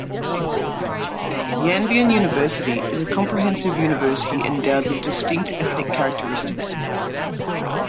Yanbian University is a comprehensive university endowed with distinct ethnic characteristics.